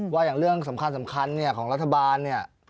ว่าอย่างเรื่องสำคัญของรัฐบาลเนี่ย